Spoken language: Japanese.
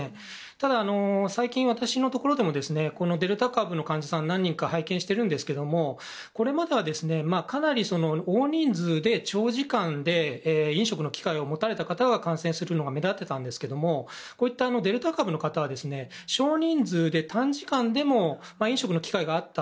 ただ、最近、私のところでもデルタ株の患者さんを何人か拝見しているんですがこれまではかなり大人数で長時間で飲食の機会を持たれた方が感染するのが目立っていたんですがこういったデルタ株の方は少人数で短時間でも飲食の機会があった。